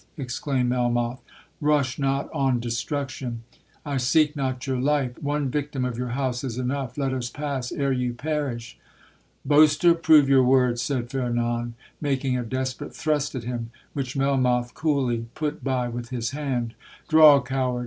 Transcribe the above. exclaimed Melmoth 'Rush not on destruction!—I seek not your life—one victim of your house is enough—let us pass ere you perish!'—'Boaster, prove your words!' said Fernan, making a desperate thrust at him, which Melmoth coolly put by with his hand. 'Draw, coward!'